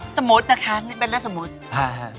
สมมุตินะคะนี่เป็นนะสมมุติ